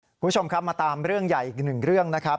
คุณผู้ชมครับมาตามเรื่องใหญ่อีกหนึ่งเรื่องนะครับ